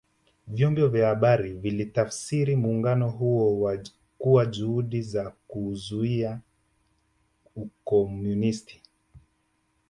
Vyombo vya habari vilitafsiri muungano huo kuwa juhudi za kuzuia Ukomunisti